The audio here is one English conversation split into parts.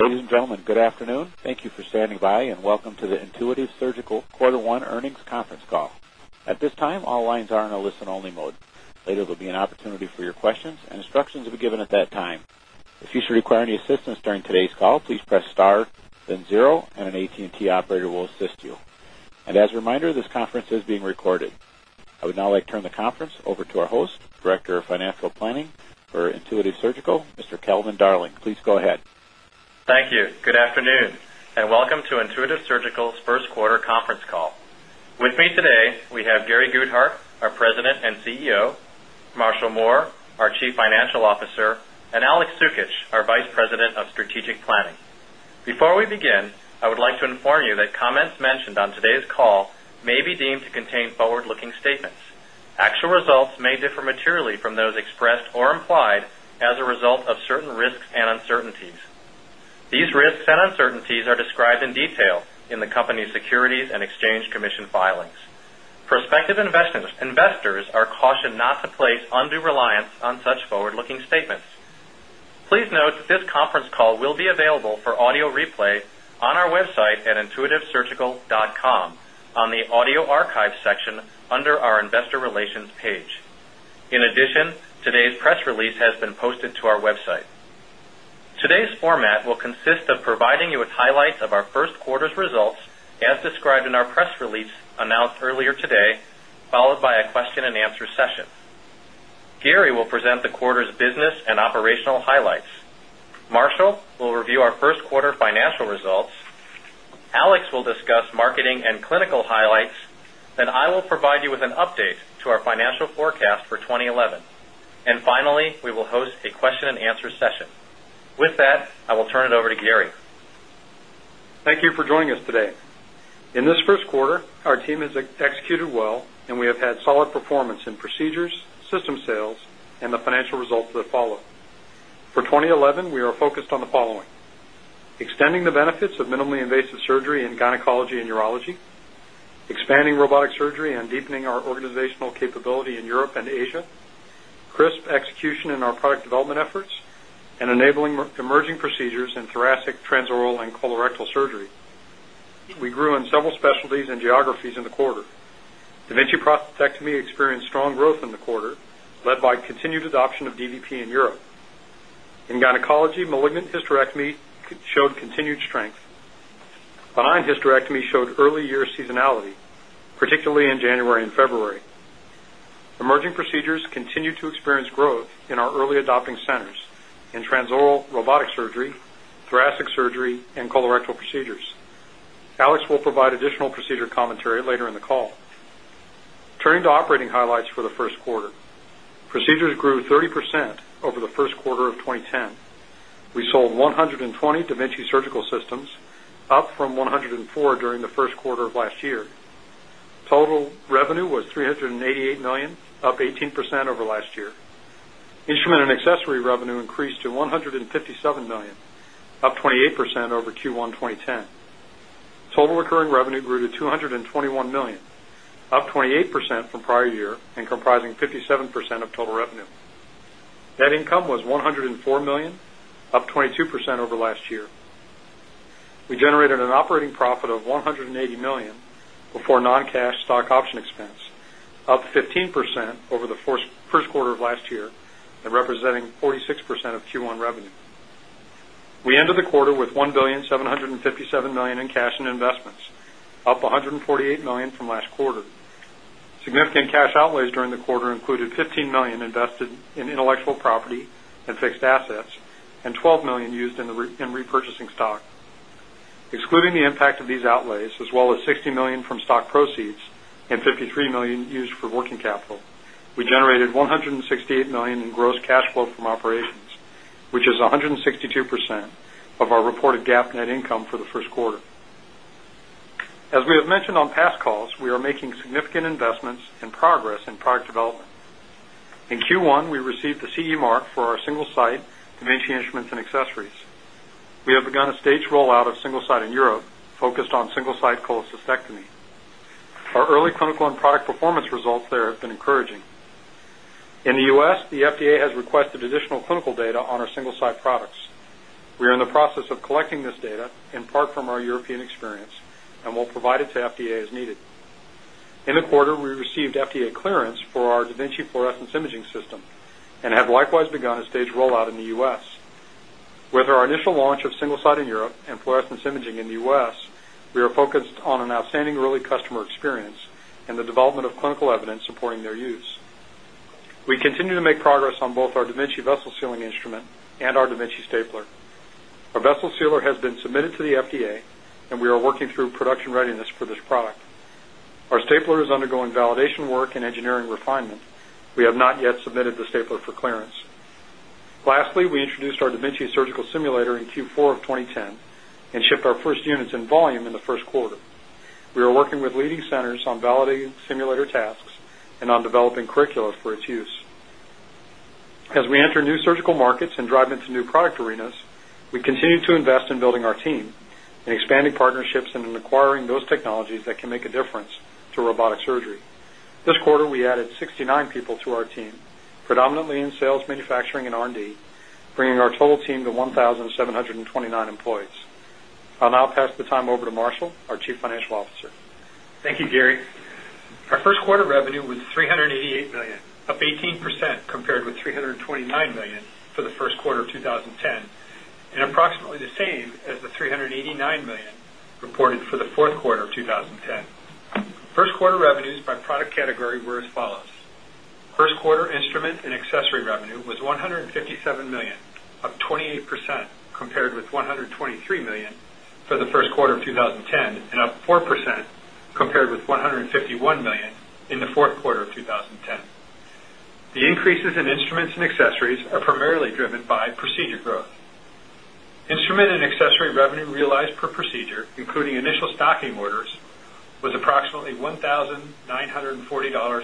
Ladies and gentlemen, good afternoon. Thank you standing by, and welcome to the Intuitive Surgical Quarter 1 Earnings Conference Call. At this time, all lines are in a listen only mode. There'll be an opportunity for your questions and instructions to be given at that time. And as a reminder, this conference is being recorded. I would now like to turn the conference over to our host, Director of Financial Planning, for Intuitive Surgical, Mr. Kelvin Darling. Please go ahead. Thank you. Good afternoon, and welcome to Intuitive Surgical first quarter conference call. With me today, we have Gary Goodhart, our president and CEO, Marshall Moore, our chief financial Officer and Alex Soukich, our vice president of strategic planning. Before we begin, I would like to inform you that mentioned on today's call may be deemed to contain forward looking statements. Actual results may differ materially from those expressed or implied as a result of certain risks and uncertainties. These risks and uncertainties are described in detail in the company's securities and exchange commission filings. Prospective investments in investors are cautioned not to place undue reliance on such forward looking statements. Please note that this conference call will be available for audio replay on our website intuitivesurgical.com on the audio archive section under our Investor Relations page. In addition, today's release has been posted to our website. Today's format will consist of providing you with highlights of our first quarter's results as described in our press release announced earlier today followed by a question and answer session. Gary will present the quarter's business and operational highlights Marshall will review our first quarter financial results. Alex will discuss provide you with an update to our financial forecast for 2011. And finally, we will host a question and answer session. With that, I will turn it over to Gary. Thank you for joining us today. In this first quarter, our team is do well and we have had solid performance in procedures, system sales, and the financial results that follow. For 2011, we are focused on the following. The benefits of minimally invasive surgery in gynecology and urology, expanding robotic surgery and deepening our organizational capability Europe and Asia, crisp execution in our product development efforts, and enabling emerging procedures in thoracic trans oral and colorectal surge We grew in several specialties and geographies in the quarter. Da Vinci Protectomy experienced strong growth in the quarter, led by the continued adoption of DBP in Europe. In gynecology, malignant hysterectomy showed continued strength. Behind his erectomy showed early year seasonality, particularly in January February. Emerging procedures continued to experience growth in our early adopting centers in Transoral robotic surgery, thoracic surgery, and colorectal procedures. Alex will provide procedure commentary later in the call. Turning to operating highlights for the first quarter. Procedures grew 30% over the first quarter of 2010. We saw 120 Dementia Surgical Systems, up from 104 during the first quarter of last year. Total revenue was $388,000,000, up eight percent over last year. Instrument and accessory revenue increased to $157,000,000, up 28% over Q1 2010. Total revenue grew to 221,000,000, up 28% from prior year and comprising 57% of total revenue. Net income was 1 $4,000,000, up 22% over last year. We generated an operating profit of $180,000,000 before cash stock option expense, up percent of Q1 revenue. We ended the quarter with $1,757,000,000 in cash and investments, up $148,000,000 from last quarter. Significant cash outlays during the quarter included purchasing stock. Excluding the impact of these outlays, as well as $60,000,000 from stock proceeds and $53,000,000 used for working capital, we generated 100 $68,000,000 in gross cash flow from operations, which is 162% of our reported GAAP net income for the first quarter. As we have mentioned on past calls, we are making significant investments in progress and product development. In Q1, we received the CE Mark for our single site dementia instruments and accessories. We have begun a stage roll out of single site in Europe focused on single site cholestisectomy. Our early and product performance results there have been encouraging. In the U S, the FDA has requested additional clinical data on our single products. We are in the process of collecting this data in part from our European experience, and we'll provide it to FDA as needed. In the quarter, we received FDA for our da Vinci fluorescence imaging system and have likewise begun a staged rollout in the US. With our initial launch of single site in Europe and fluorescence in the US, we are focused on an outstanding early customer experience and the development of clinical evidence supporting their use. We can to make progress on both our Diminci vessel sealing instrument and our Diminci stapler. Our vessel sealer has been submitted to the FDA, and we are working through production readiness for this product. Our stapler is undergoing validation work and engineering refinement. We have not yet submitted the stapler for clearance. Lastly, we introduced our da Vinci surgical simulator in Q4 of 2010 and shipped our first units in volume in the first quarter. We are working with leading markets and drive into new product arenas, we continue to invest in building our team and expanding partnerships into acquiring those technologies that can make difference to robotic surgery. This quarter, we added 69 people to our team, predominantly in sales, manufacturing and R and D, bringing total team to 1729 employees. I'll now pass the time over to Marshall, our Chief Financial Officer. Thank you, Gary. Our quarter revenue was $388,000,000, up 18% compared with $329,000,000 for the first quarter of 2010 and a approximately the same as the 389,000,000 reported for the fourth quarter of 2010. 1st quarter revenues by product category were as follows. 1st quarter instrument and accessory revenue was $157,000,000, up 28% compared with $123,000,000 for the first quarter of 20 percent compared with 151,000,000 industry $1940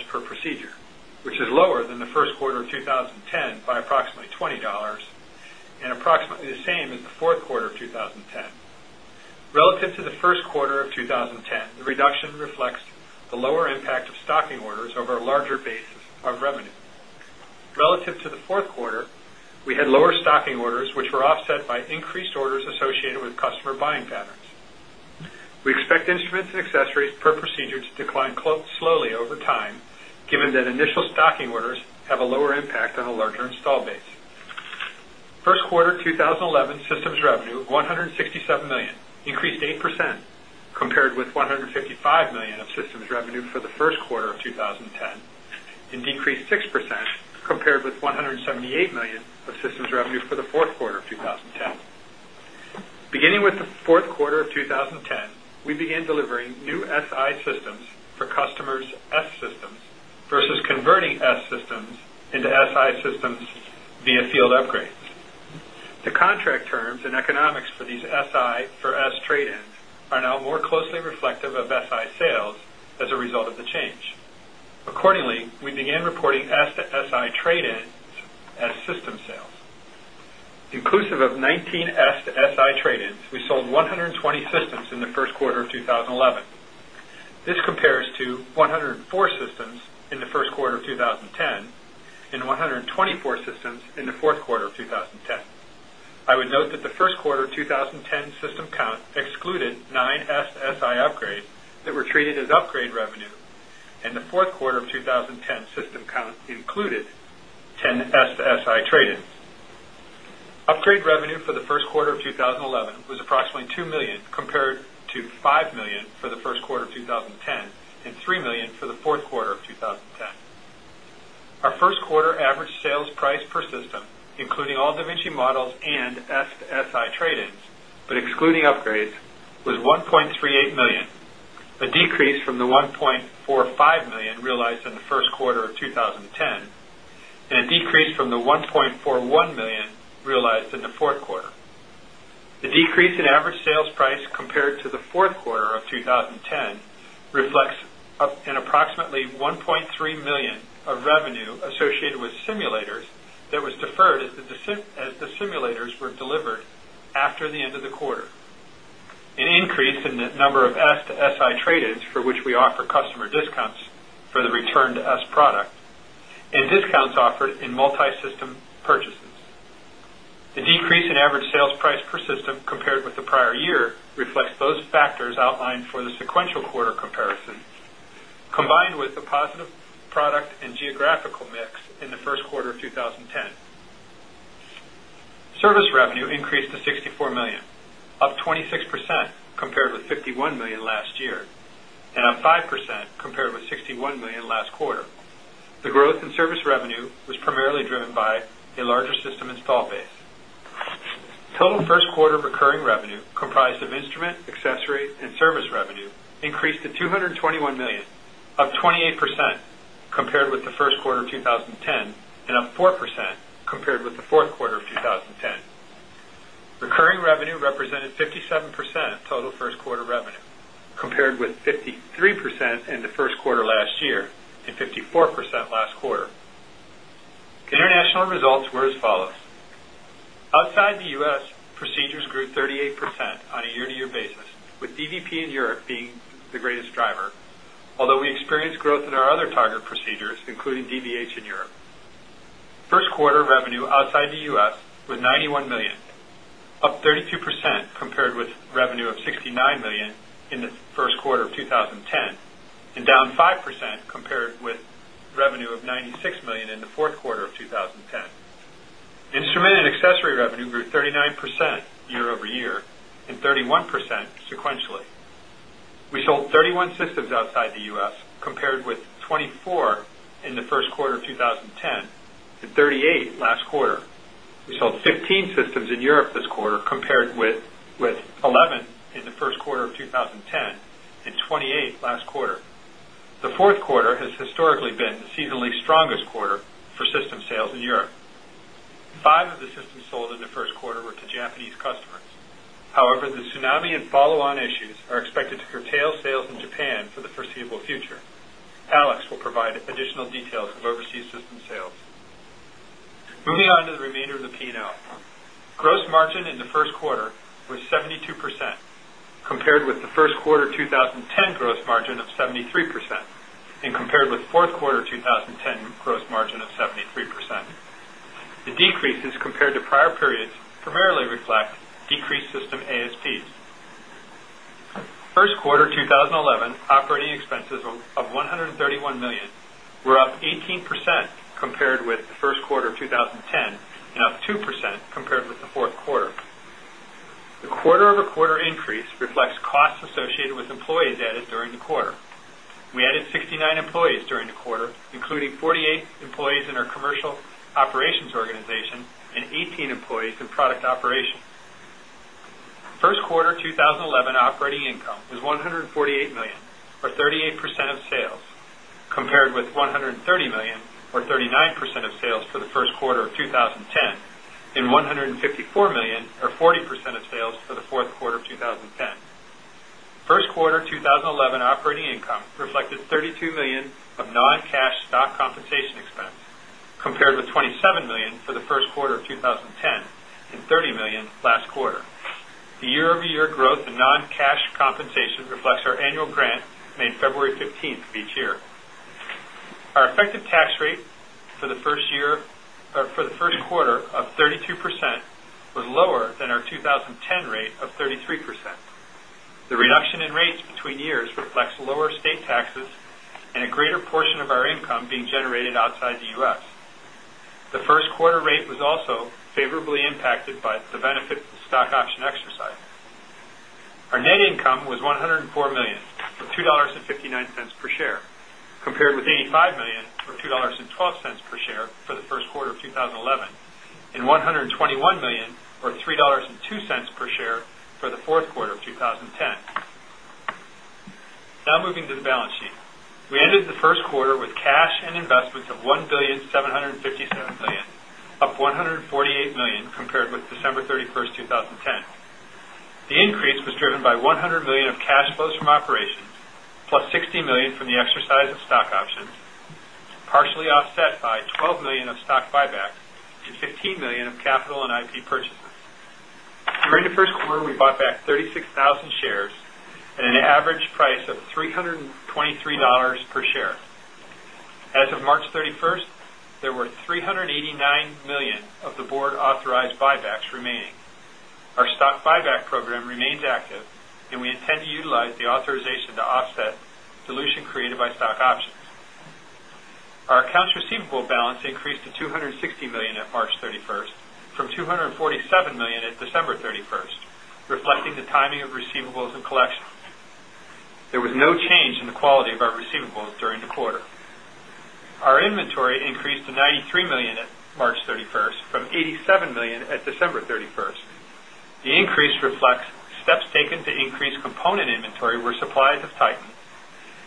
per procedure, which is lower than the first quarter of 2010 by approximately fourth quarter of 2010. Relative to the first quarter of 2010, the reduction reflects the lower impact of stocking orders over larger basis of revenue. Relative to the fourth quarter, we had lower stocking orders, which were offset by increased orders associated with customer buying patterns. We expect instruments and accessories per procedure to decline slowly over docking orders have a lower impact on a larger installed base. First quarter 2011 systems revenue 167,000,000 increased 8% with $155,000,000 of systems revenue for the first quarter of 2010 and decreased 6% compared $178,000,000 of systems revenue for the fourth quarter of 2010. Beginning with the fourth quarter of 2010, we began delivering new S systems for customers' s systems versus converting s systems into SI systems via field upgrades. The contract terms and economics for these SI for S trade ins are now more closely reflective of SI sales as a result of age. Accordingly, we began reporting asset SI trade ins as system sales. The inclusive of 19 S to SI trade ins, we sold 120 systems in the first quarter of 20 compares to 104 systems in the first quarter of 2010 and 124 systems in the fourth quarter of 2010. Note that the first quarter 2010 system count excluded 9 SSI upgrade that were treated as upgrade revenue and the 4 quarter of 2010 system count included 10s to SI traded. Upgrade revenue for the first quarter of 2011 was $2,000,000 compared to $5,000,000 for the first quarter of 2000 and $3,000,000 for the fourth quarter of 2010. Our first quarter average sales price per system $38,000,000, a decrease from the $1,410,000 realized in the 4th quarter. And approximately $1,300,000 of revenue associated with simulators that was deferred as the stimulators were delivered for customer discounts for persistent compared with the prior year reflects both factors outlined for the sequential quarter comparison. Combined with the positive product and geographic mix in the first quarter of 2010. Service revenue increased to 64,000,000, up 26% compared with 51,000,000 last year and up 5% compared with 61,000,000 last quarter. The growth service revenue was primarily driven by and service revenue increased to $221,000,000 and up 4% compared with the fourth quarter of 2010. Recurring revenue represented 57% the first quarter were as follows. Outside the US, procedures grew 38% on a year to year basis, with DDP in Europe being the greatest driver. We experienced percent compared with revenue of $69,000,000 in the first quarter of 2010 and down 5% compared with revenue of 90 $1,000,000 in fourth quarter of 2010. Instrument and accessory revenue grew 39% year over year and 31% sequentially. We sold 31 systems outside the U. S. Compared with 24 38 last quarter. We sold 15 systems in Europe this quarter compared with 11 in the first quarter of 201020 8 last quarter. The 4th quarter has historically been the seasonally strongest quarter for system sales in Europe. 5 of the systems sold in the 1st quarter to Japanese customers. However, the tsunami and follow on issues are expected to curtail sales in Japan for the foreseeable future. Alex will provide additional details of overseas system sales. Moving on to the remainder of the P and L. Gross margin in the first quarter was 72 percent compared with the first quarter 20 end. The decreases compared to prior periods primarily reflect decreased system ASPs. 1st quarter 20 11, operating expenses of 131,000,000 were up 18% compared with the first quarter of 2010 and up 2% compared with 4th quarter. The quarter over quarter increase reflects costs associated with employees added during the quarter. We added 69 during the quarter, including 48 employees in our commercial operations organization and 18 employees in product 1st quarter 2011 operating income was 148,000,000 or 38 percent of sales compared with 100 $1,000,000 or 39 percent of sales for the first quarter of 20 fourth quarter of 2010. 1st quarter 2011 operating income reflected $32,000,000 of noncash stock compensation expense compared with 20 $7,000,000 for the first quarter of 20 10 $30,000,000 last quarter. The year over year growth in non cash which reflects our annual grant made February 15th each year. Our effective tax rate for the 1st year of the first quarter of 32% was lower than our 20 10 rate of 33%. The reduction in rates between years reflects lower state taxes and a greater portion of our income being generated outside the US. The first quarter rate was also favorably impacted by the benefit of stock option exercise. Our net income was 104,000,000 of $2.59 per share compared with $85,000,000 or $2.12 per share for the first quarter of 2011 and $121,000,000 or 3 dollars 2¢ per share for the fourth quarter of 2010. Now moving to the balance sheet, we ended the 1st quarter with cash and investments of $1,757,000,000, up $148,000,000 compared with December 31, 20 The increase was driven by 100,000,000 of cash flows from operations, plus 60,000,000 from the exercise of stock options, partially offset by 12 dollars of stock buyback and $15,000,000 of capital and IP purchases. During the first quarter, we bought back 36,000 shares at an average price of $3.23 per authorized buybacks remaining. Our stock buyback program remains active, and we intend to utilize the authorization to offset solution created by stock options. Our accounts receivable balance increased to 260,000,000 at March 31st from 247,000,000 December 31st, reflecting the timing of receivables and collection. There was no change in the quality of our receivables during the quarter. Our inventory increased to $93,000,000 at March 31st from $87,000,000 at December 31st. The increase reflects steps taken to increased component inventory where supplies have tightened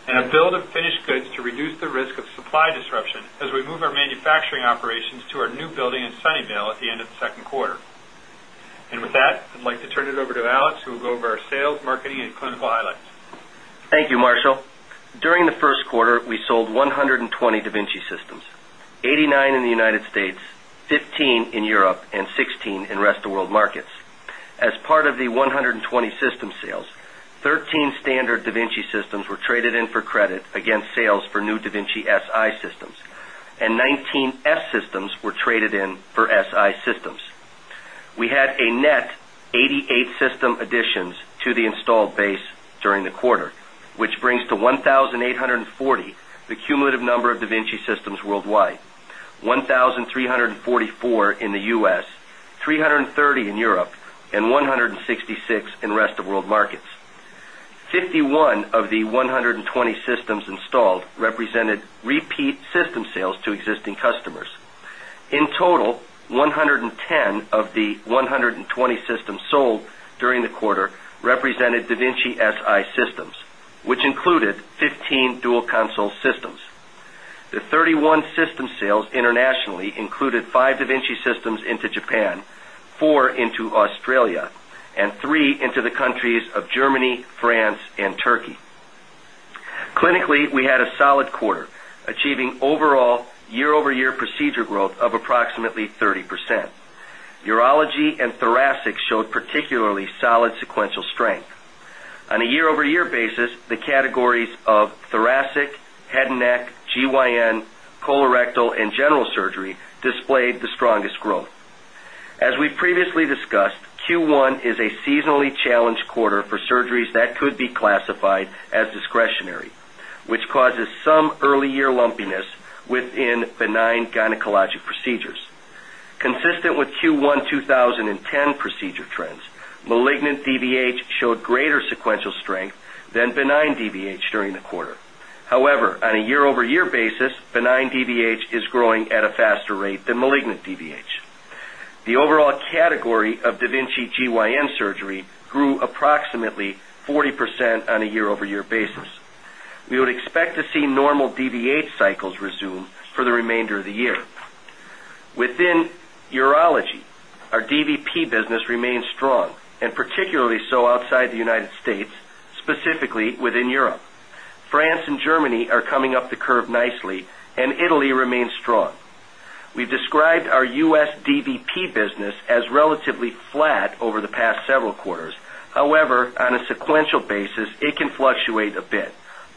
and a build of finished goods to reduce the risk of supply disruption as we move our operations to our new building in Sunnyvale at the end of the second quarter. And with that, I'd like to turn it over to Alex who will go over our sales, marketing include highlights. Thank you, Marshall. During the first quarter, we sold 120 da Vinci systems, 89 in the United States, 15 in Europe and 16 in rest of world markets. As part of the 120 system sales, 13 standard da Vinci were traded in for credit against sales for new da Vinci Si systems and 19 F systems were traded in for SI systems. We had a net 88 system additions to the installed base during the quarter, which brings to 1840 the cumulative number of da Vinci systems Worldwide, 1344 in the US, 330 in Europe, and 166 in rest of world markets. Of the 120 systems installed represented repeat system sales to existing customers. In total, 110 of the 120 systems sold during the quarter represented da Vinci Si systems, which included 15 dual console systems. The 31 system sales internationally included 5 da Vinci systems into Japan 4 into Australia and 3 into the countries of Germany, France, and Turkey. Clinically, we had a solid quarter achieving overall year over year procedure growth approximately 30%. Urology and thoracic showed particularly solid sequential strength. On a year over year basis, the categories of thoracic, head and neck, GYN, colorectal, and general surgery displayed the strongest growth. As previously discussed, Q1 early year lumpiness within benign gynecologic procedures. Consistent with Q1 2010 procedure trends. Malignant DVH showed greater sequential strength than benign DVH during the quarter. However, on a year over year basis, benign DVH is growing at a on a year over Our DBP business remains strong and particularly so outside the United States, specifically within year France and Germany are coming up DVP business as relatively flat over the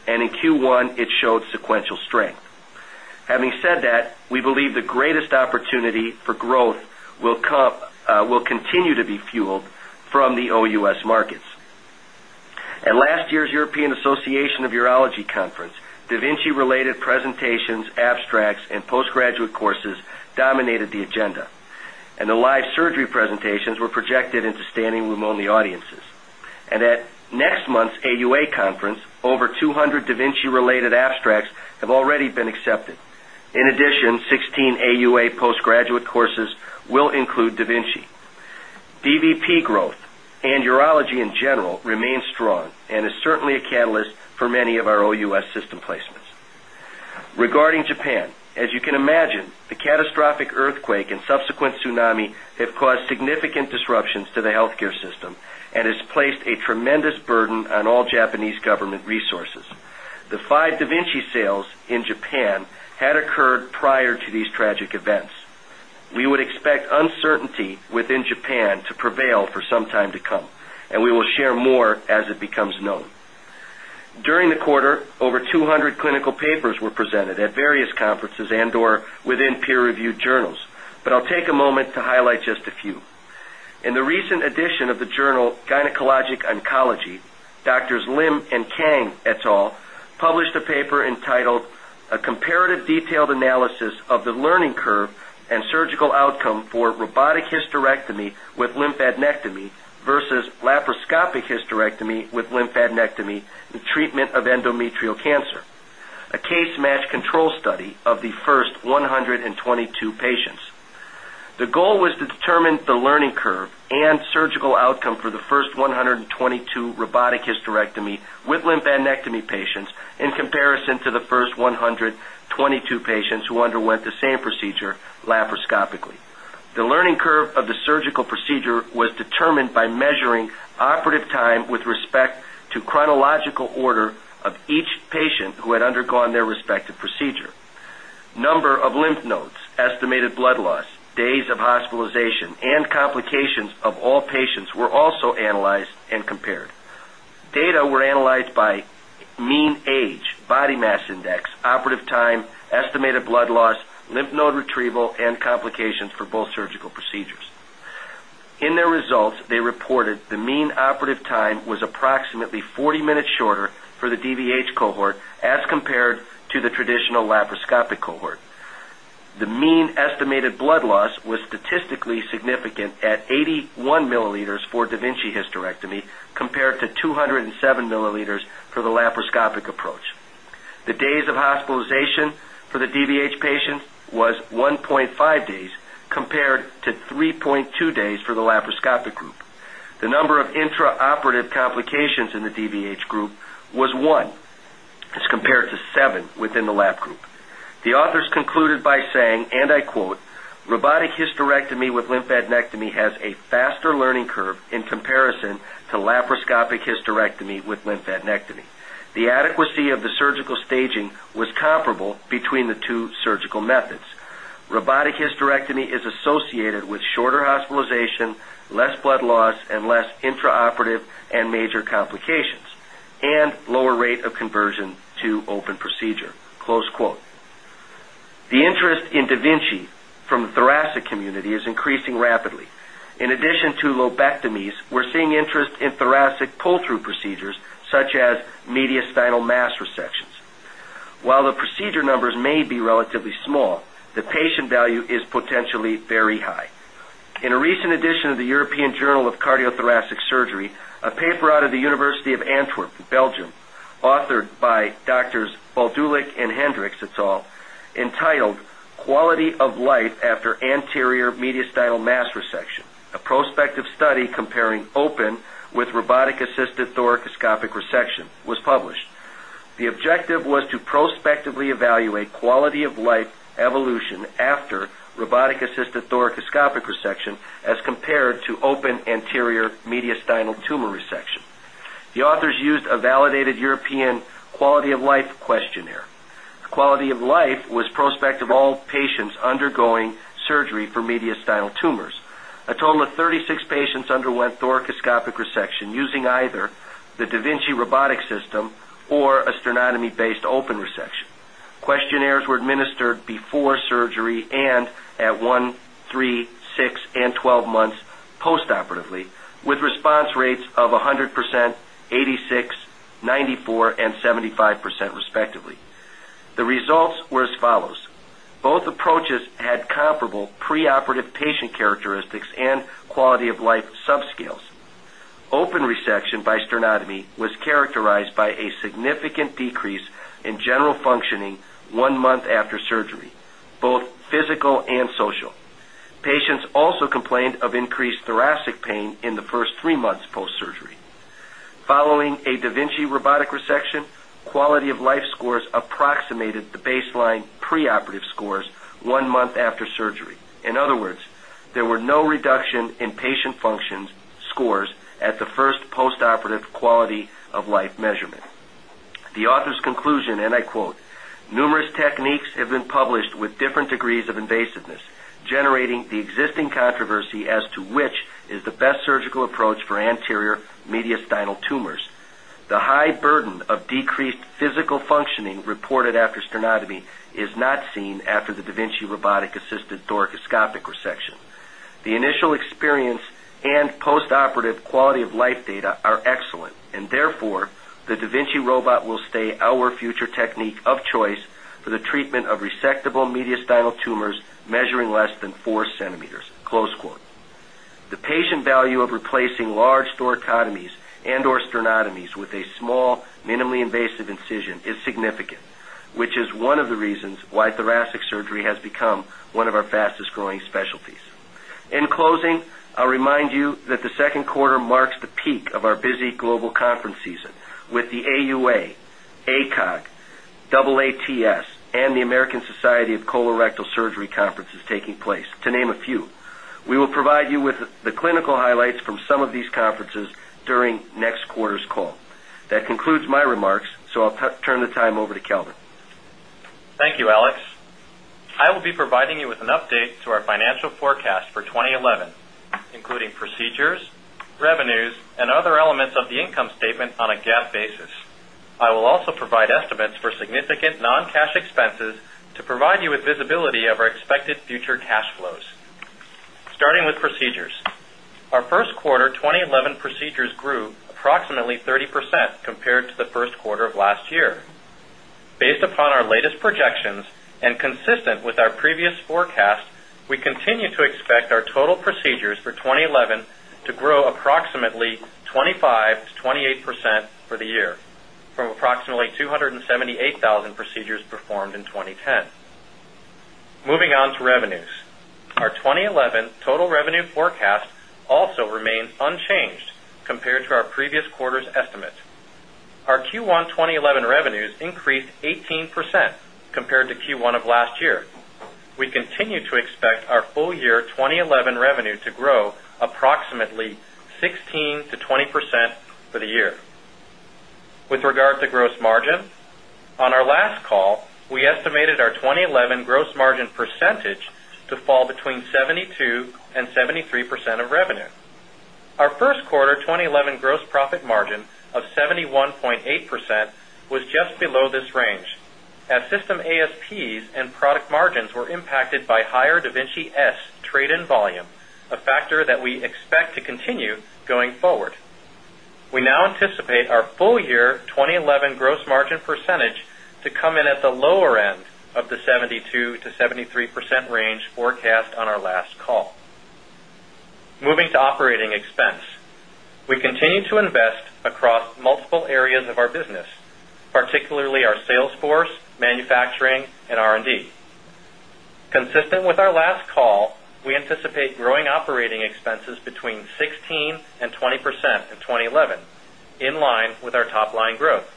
and in Q1 it showed sequential strength. Having said that, we believe the greatest opportunity for growth will will continue to be related presentations, abstracts and postgraduate courses, dominated the agenda. And the live surgery presentations were projected into standing with the audiences. And at next month's AUA conference over 200 da Vinci related abstracts have already accepted. In addition, 16 AUA postgraduate courses will include da Vinci. DVP growth and urology in general remains on and is certainly a catalyst for many of our OUS system placements. Regarding Japan, as you can imagine, the catastrophic earthquake subsequent tsunami have caused significant disruptions to the healthcare system and has placed a tremendous burden on all Japanese government resources. To prevail for some time to come, and we will share more as it becomes known. During the quarter, over 2 clinical papers were presented at various conferences and or within peer reviewed journals, but I will take a moment to highlight just a few. In the recent addition of the journal Gynecologic Oncology, Doctor. Lim and Kang etsol published a paper entitled a comparative detailed analysis of the Learning and surgical outcome for robotic hysterectomy with lymphadenectomy versus laparoscopic hysterectomy with lymphadenectomy treatment endometrial cancer, a case match control study of the first 122 patients. The goal was to determine the learning curve and surgical outcome for the first 122 robotic hysterectomy with lymphadenectomy patients in comparison to the first 100 22 patients who underwent the same procedure laparoscopically. The learning curve of the surgical procedure was determined by measuring operative time with respect to chronological order estimated blood loss, days of hospitalization and complications of all patients were also analyzed and compared. Data were analyzed mean age, body mass index, operative time, estimated blood loss, lymph node retrieval, and complications for surgical procedures. In their results, they order for the DVH cohort as compared to the traditional laparoscopic cohort. The mean estimated blood loss was statistically significant at 81 milliliters for da Vinci hysterectomy compared to 207 milliliters for the laparoscopic approach. The days of hospital for the of complications in the DVH group was 1 as compared to 7 within the lab group. The authors concluded by saying and Robotic hysterectomy with lymphadenectomy has a faster with lymphadenectomy. The adequacy of the surgical staging was comparable and procedure. The interest in da Vinci from the thoracic community is increasing rapidly. In addition to lubectomies, we are seeing interest in thoracic pull through procedures such as mediastinal mass restrictions. While the procedure numbers may relatively small, Acek Surgery, a paper out of the University of Antwerp, Belgium authored by doctors Baldulik and Hendrick It's all entitled Quality of Life after anterior mediastyle mastrosection, a prospective study comparing with robotic assisted thoracoscopic reception was published. Quality of life evolution after robotic assist resection. The authors used a validated European quality of life questionnaire. The quality of life prospect of all patients undergoing surgery for mediastinal tumors, a total of 36 patients underwent thoracoscopic resection using either the Vinci robotics system or a sternotomy based open reception. Questionnaires were administered before surgery and at 13 6 12 months postoperatively with response rates of 100 respectively. The results were as follows. Both approaches had comparable pre operative patient characteristics and quality of life upscales. Open resection by Sternodomy was characterized by a significant decrease in general function 1 month after surgery, both physical and social. In the 1st 3 months post surgery. Following a da Vinci robotic reception, quality of life scores approximated the baseline preoperative scores 1 month after surgery. In other words, there were no reduction in patient functions scores as the first post operative quality of life measurement. The author's conclusion, and I quote, numerous techniques have published with different degrees of invasiveness generating the existing controversy as to which is the best surgical approach for Anne carrier mediastinal tumors. After the da Vinci robotic assisted dorkoscopic reception. The initial experience and post operative resectable mediastinal tumors measuring less than 4 centimeters. The patient value of replacing large store economies and or sternotomy with a small, minimally invasive incision is significant, which is one of the reasons why thoracic surgery has one of our fastest growing specialties. In closing, I'll remind you that the second quarter marks the peak of our global conference season with the AUA ACOG AATS and the American Society of Colorectal Surgery conferences taking place to name a few We will provide you with the clinical time over to Calvin. Features, revenues, and other elements of the income statement on a GAAP basis. I will also provide estimates for significant non cash expenses to provide you with visibility of our expected future cash flows. Starting with procedures, Our first quarter 2011 procedures grew approximately 30% compared to the first quarter of last year. Based upon our latest projections, in consistent with our previous forecast, we continue to expect our total procedures for 2011 to grow approximately 25 to 28% for the year from approximately 278,000 procedures performed in 2010. Moving on to revenues. 2011 total revenue forecast also remains unchanged compared to our previous quarter's estimate. 11 revenues increased 18% compared to Q1 of last year. We continue to expect our full 2011 revenue to grow call, we estimated our 2011 gross margin percentage to fall between 72% 73% of revenue. Our first quarter 2011 gross profit margin of 71.8 percent was just below this range as system ASPs and product margins were impact by higher da Vinci S trade in volume, a factor that we expect to continue going forward. We now anticipate our on our Salesforce, Manufacturing, and R&D. Consistent with our last call, we anticipate growing operating expenses between 16% 20 11, in line with our top line growth.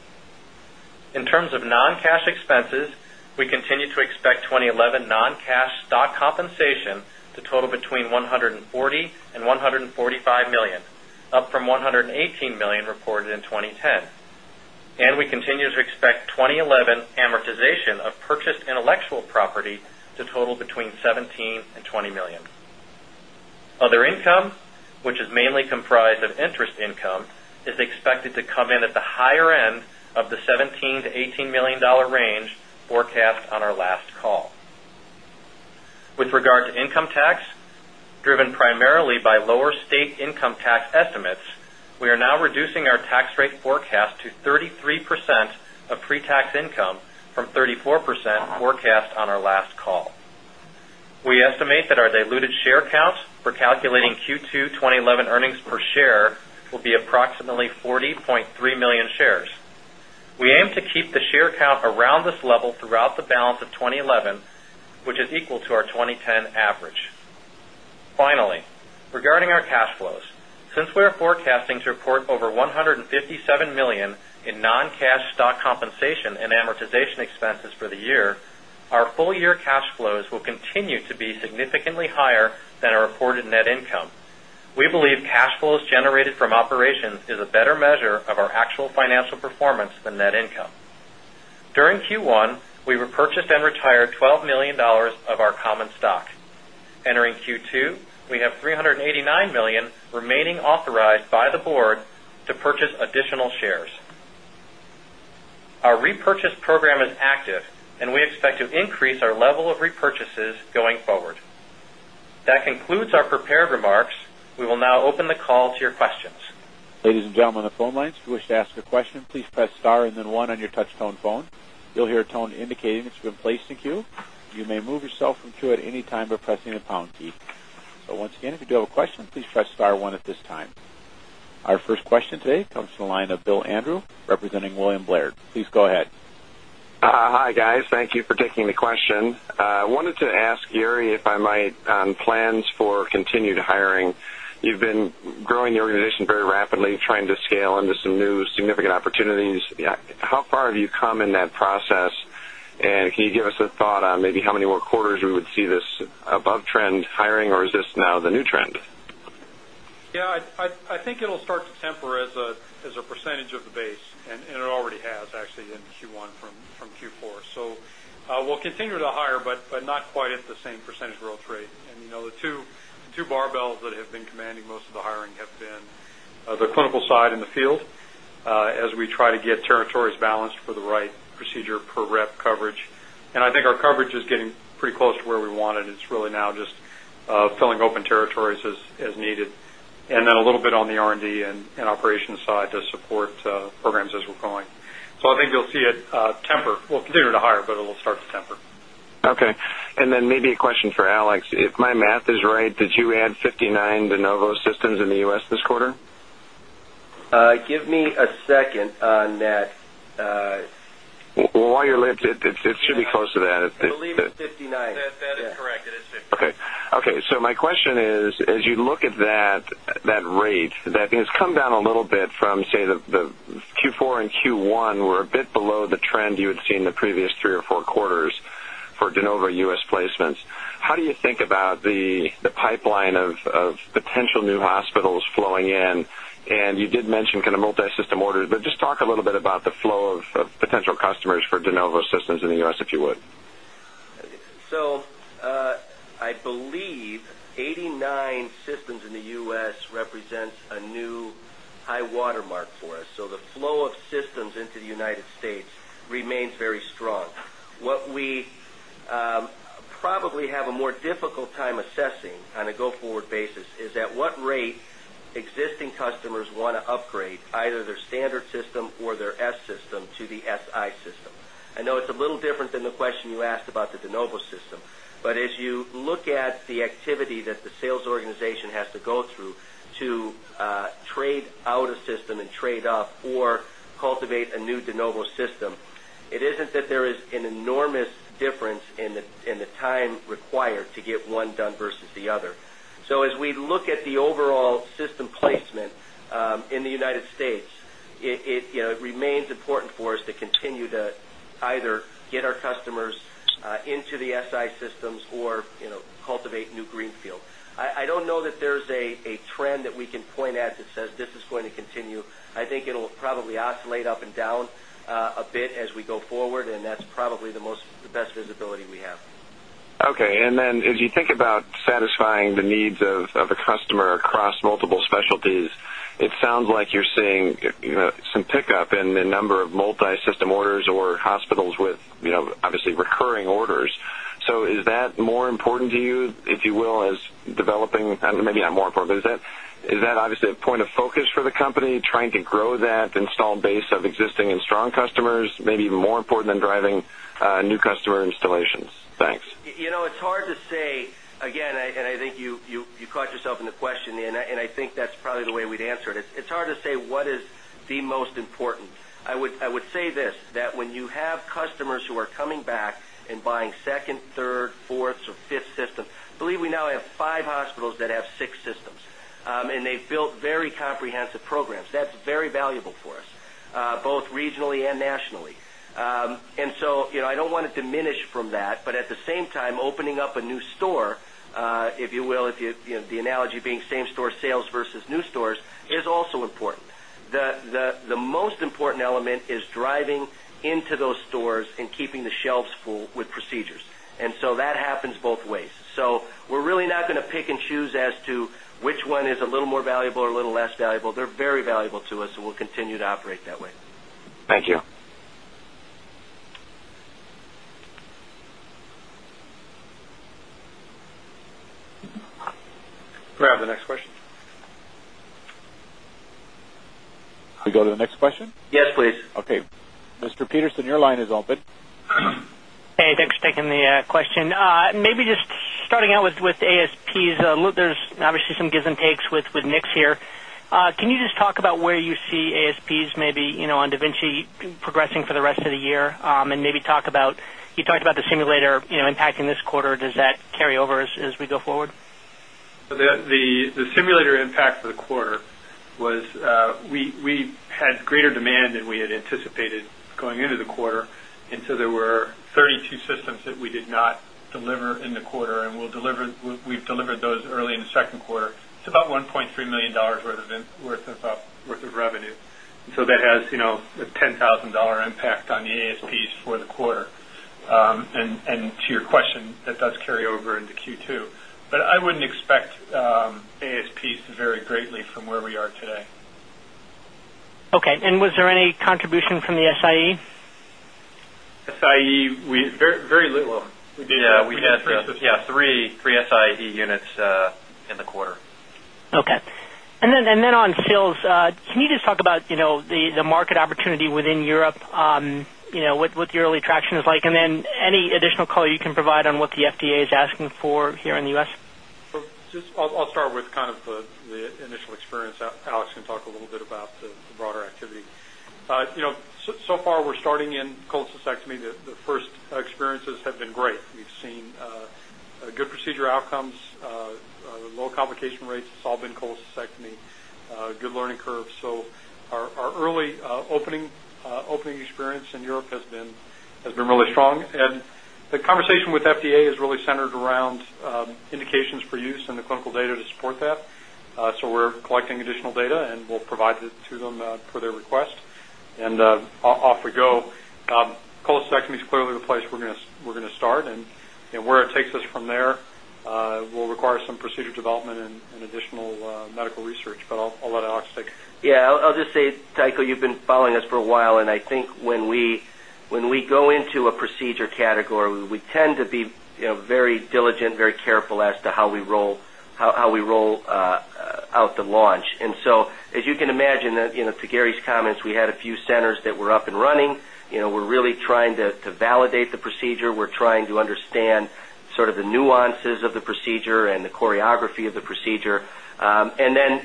In terms of non expenses, we 1,000,000, up from 118,000,000 reported in 2010. And we continue to expect 2011 amortization of purchased intellectual property to total between to come in at the higher end of the $17,000,000 to $18,000,000 range forecast on our last call. With regard to income tax driven primarily by lower percent of pretax income from 34 percent forecast on our last call. We estimate that our diluted share count for calculating q2211 earnings per share will be approximately 40,300,000 shares. We aim to keep the share count a around this level throughout to to be significantly higher than our reported net income. We believe cash flows generated from operations is a better measure of our actual financial performance than income. During q 1, we repurchased and retired $12,000,000 of our common stock. Entering q 2, we have 389,000,000 or mainly authorized by the board to purchase additional shares. Our repurchase program is active and we expect you. Our first question today comes from the line of Bill Andrew, representing William Blair. Please go ahead. Hi, guys. Thank you for taking the question. I wanted to ask Yuri if I might on plans for continued hiring. You've been growing the organization very rapidly trying to scale into some new significant opportunities. Yeah. How far have you come in that process and can you give us a thought on maybe how many more quarters we would see this above trend hiring or is this now the new trend? Yeah. I I I think it'll start temper as a as a percentage of the base, and and it already has actually in Q1 from from Q4. So, we'll continue to hire, but not quite at the same percentage growth rate. And, you know, the 2, the 2 barbells that have been commanding, most of the hiring have been, the clinical side in the field, as we try to get territories balanced for the right procedure is getting pretty close to where we wanted. It's really now just filling open territories as needed. And then a little bit on R and D and and operations side to support, programs as we're calling. So I think you'll see it, temper. We'll continue to hire, but it'll start to temper. Okay. And then maybe a question for Alex. If my math is right, did you add 59 de novo systems in the US this quarter? Give me a second on that, While you're lifted, it it should be close to that. It's Believe it 59. That that is corrected. It's Okay. Okay. My question is, as you look at that, that rate, that has come down a little bit from, say, the the Q4 and Q1 were a bit below the trend seen the previous 3 or 4 quarters for de novo US placements. How do you think about the the pipeline of of the 10 new hospitals flowing in, and you did mention kind of multi system orders, but just talk a little bit about the flow of potential customers dinovo systems in the US, if you would. So, I believe 89 systems in the US cents a new high watermark for us. So the flow of systems into the United States remains very strong. What be, probably have a more difficult time assessing on a go forward basis is at what rate existing customers wanna upgrade either their standard system or their S system to the SI system. I know it's a little different than the question you asked about the de novo system, but as you look add the activity that the sales organization has to go through to, trade out a system and trade up or cultivate a new de novo them. It isn't that there is an enormous difference in the in the time required to get one done versus the other. So as look at the overall system placement, in the United States, it, you know, remains important for us to continue to either get our customers into the SI systems or, you know, cultivate new greenfield. I don't know that there's a trend we can point at that says, this is going to continue. I think it will probably oscillate up and down, a bit as we go forward. And that's probably the most visibility we have. Facilities. It sounds like you're seeing, you know, some pickup in the number of multisystem orders or hospitals with, you know, see recurring orders. So is that more important to you, if you will, as developing, maybe not more important, but is that is that obviously a point of focus for the company to grow that installed base of existing and strong customers, maybe even more important than driving, new customer installations. Thanks. You know, it's hard to say, again, I and I think you you you caught yourself in the question and I and I think that's probably the way we'd answered it. It's it's hard to say what is the most important. I would I would say this that when you have customers who are coming back and buying second, third, 4th, or 5th system. I believe we now have 5 hospitals have 6 systems, and they've built very comprehensive programs. That's very valuable for us, both regionally and nationally. And so, you know, I don't want to diminish from that, but at the same time opening up a new store, if you will, if you the analogy being same store versus new stores is also important. The the the most important element is driving into those stores and keep the shelves full with procedures. And so that happens both ways. So we're really not going to pick and choose as to which one is valuable or a little less valuable. They're very valuable to us, and we'll continue to operate that way. Thank you. Can I have the next question? We go to the next question? Yes, please. Okay. Mr. Peterson, your line is open. Hey. Thanks for taking the question. Maybe just starting out with with ASPs, there's obviously some guys and takes with with Nick here. Can you just talk about where you see ASPs maybe on da Vinci progressing for the rest of the year? And maybe talk about you talk about the simulator impacting this quarter, does that carry over as we go forward? The simulator impact for the quarter was, we we had greater demand than we had anticipated going into the quarter. And so there were 30 two systems that we did not deliver in the quarter, and delivered we've delivered those early in the second quarter. It's about $1,300,000 worth of revenue. So that you know, the $10,000 impact on the ASPs for the quarter, and to your question, that does carry over into Q2. But wouldn't expect, ASPs very greatly from where we are today. Okay. And was there any contribution from the I. E? Yes. I. E, we very, very little. We did. Yeah. We had 3, 3 SIE units, in the quarter. Okay. And then on sales, can you just talk about the market opportunity within Europe, what your early traction is like? And then any additional color you can provide on what FDA is asking for here in the US? So just I'll I'll start with kind of the the initial experience. Alex can talk a little bit about the the broad activity. You know, so far, we're starting in cold cystectomy that the first experiences have been great. We've seen, a procedure outcomes, low complication rates, it's all been colesecctomy, good learning curve. So our our early opening, opening experience in Europe has been has been really strong. And the conversation with FDA is really centered around, indications for use and the data to support that. So we're collecting additional data and we'll provide it to them for their request. And, off we go. Colosectomy is clearly replaced. We're gonna we're gonna start and and where it takes us from there, will require some procedure and additional medical research, but I'll let Alex take. Yes, I'll just say, Tycho, you've been following us for a while and I think when we go into a procedure category, we tend to be very diligent, very careful as to how we how we roll out the launch. And so as you can imagine, you know, to Gary's comments, we had a few centers that were up and running. You know, we're really trying to validate the procedure. We're trying to understand sort of the nuances of the procedure and the choreography of the procedure. Then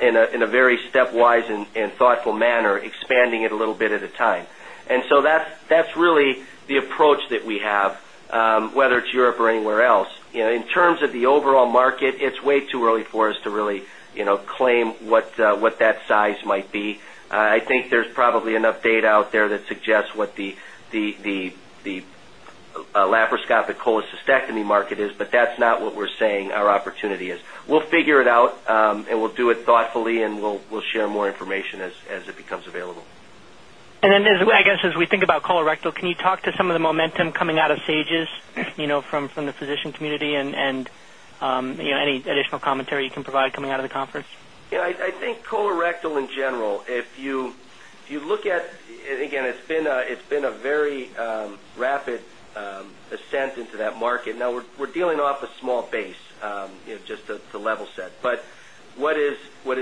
in a very step wise and thoughtful manner expanding it a little bit at a time. And so that's really the approach that we have whether it's Europe or anywhere else. In terms of the overall market, it's way too early for us to really claim what what that size might be. I think there's probably an update out there that suggests what the laparoscopic cholecystectomy market is that's not what we're saying our opportunity is. We'll figure it out, and we'll do it thoughtfully and we'll share more information as it becomes available. I guess, as we think about colorectal, can you talk to some of the momentum coming out of Sage's, you know, from from the physician community and and, you know, any additional commentary you can provide coming out of the conference? Yeah. I I think colorectal in general, if you if you look at and again, it's been a it's been a very, rapid, a sense into that market. Now, we're dealing off a small base, you know, just to level set, but what is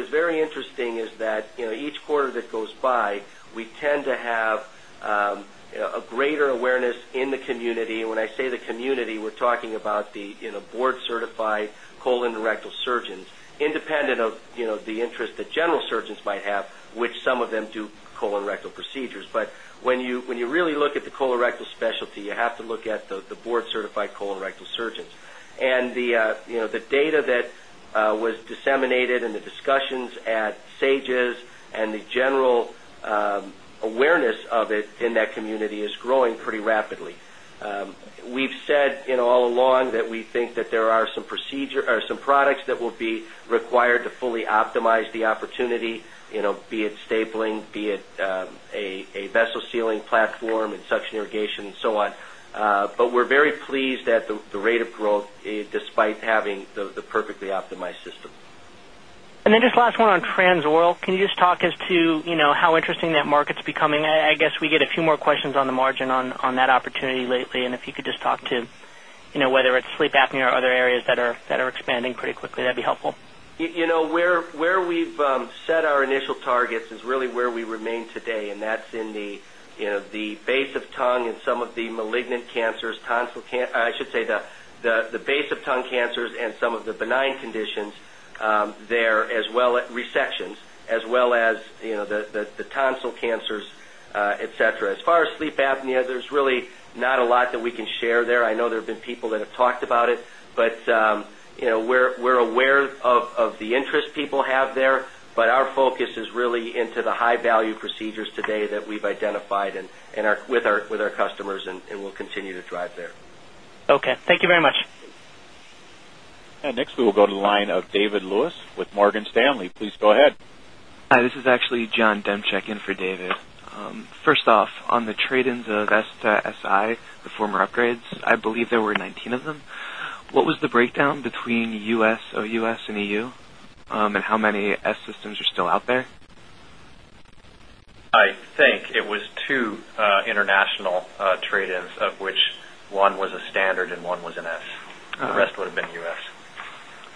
very interesting is that, you know, each quarter that goes by, we tend to have a greater awareness in the community when I say the community, we're talking about the, you know, board certified colindirectal surgeons independent of, you know, the interest the general surgeon might have, which some of them do colorectal procedures. But when you really look at the colorectal specialty, you have to look at the board certified colorectal surgeons. And the, you know, the data that was disseminated in the discussions at SAGES and the general awareness that in that community is growing pretty rapidly. We've said in all along that we think that there are some procedure or some products that will required to fully optimize the opportunity, be it stapling, be it a vessel sealing platform and such an irrigation and so on. We're very pleased that the rate of growth despite having the the perfectly optimized system. And then just last one on Transworld. Can you just talk us to, you know, how interesting that market's becoming. I guess we get a few more questions on the margin on that opportunity lately. And if you could just talk to, you know, whether it's sleep apnea or other areas that are that are expanding quickly. That'd be helpful. You know, where where we've set our initial targets is really where we remain today and that's in the, you know, the base of time in some of the malignant cancers tons I should say the base of tongue cancers and some of the benign conditions there as well as resection as well as the tonsil cancers, etcetera. As far as sleep apnea, there's really a lot that we can share there. I know there have been people that have talked about it, but we're aware of the interest people have there, but our focus is really into the high value procedures today that we've identified in our with our customers and we'll continue to drive there. Okay. Thank you very much. Next, we will go to the line of David Lewis with Morgan Stanley. Please go ahead. Hi. This is actually John Demchick in for David. First off, on the trade ins of Vesta SI, the former upgrades, I believe or 19 of them. What was the breakdown between US or US and EU, and how many S systems are still out there? I think it was 2 international trade ins of which one was a standard and 1 was an S. The rest would have been S.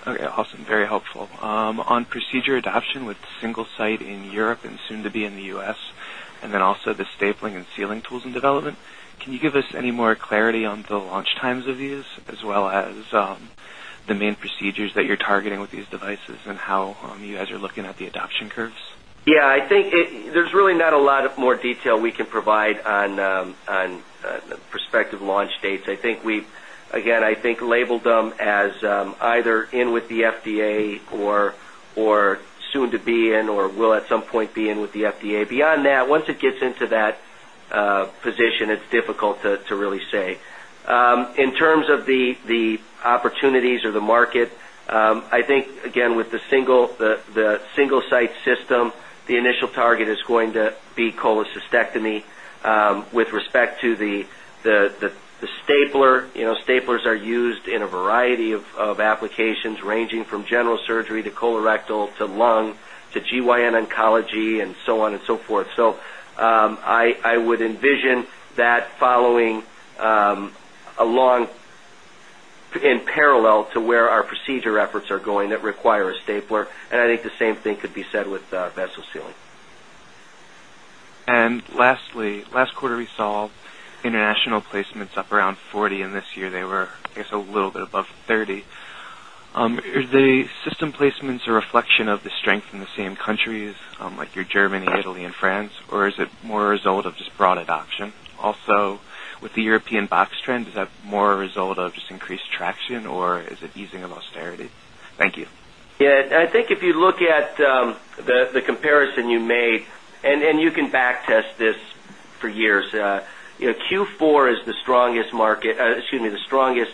Okay. Awesome. Very helpful. On procedure adoption with single site in Europe and soon to be in the U. S, then also the stapling and ceiling tools in development. Can you give us any more clarity on the launch times of these as well as, the main procedures that you're targeting with devices and how you guys are looking at the adoption curves? Yes, I think there's really not a lot of more detail we can provide on the prospective launch day I think we, again, I think labeled them as either in with the FDA or to be in or will at some point be in with the FDA beyond that, once it gets into that, position, it's difficult to really say. In terms of the opportunities or the market. I think again with the single, the single site system, the initial target is going to be of cystectomy, with respect to the stapler, you know, staplers are used in a variety of applications ranging general surgery to colorectal to lung to GYN oncology and so on and so forth. So, I would envision that following along in parallel to where our procedure efforts are going that require a stapler. And I think the same thing be said with the vessel ceiling. And lastly, last quarter we saw international placements up around 40 and this year, they were, I guess, a little bit above 30. Is the system placements a reflection of the in the same countries, like your German, Italy, and France, or is it more a result of just broad adoption? Also, with the European box end? Is that more a result of just increased traction or is it easing or austerity? Thank you. Yes. I think if you look at, the comparison you made and then you can back test this for years. Q4 is the strongest market, excuse me, the strongest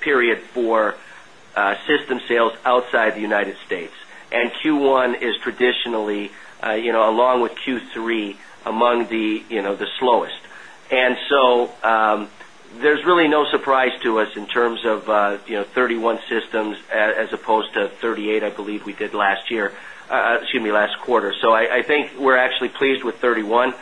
period for system sales outside the United States. And Q1 is traditionally, you know, along with Q3 among the, you know, slowest. And so, there's really no surprise to us in terms of, you know, 31 systems as opposed 38, I believe we did last year, excuse me, last quarter. So I think we're actually pleased with 31.